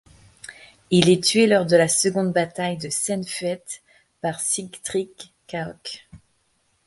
Il est tué lors de la seconde bataille de Cenn Fuait par Sigtryggr Caoch.